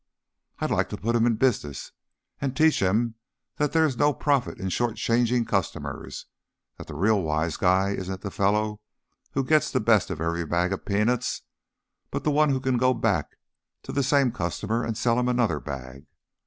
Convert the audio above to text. "I'd like to put him in business and teach him that there is no profit in short changing customers; that the real wise guy isn't the fellow who gets the best of every bag of peanuts, but the one who can go back to the same customer and sell him another bag.